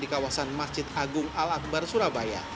di kawasan masjid agung al akbar surabaya